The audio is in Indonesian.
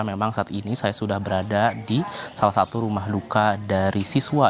memang saat ini saya sudah berada di salah satu rumah luka dari siswa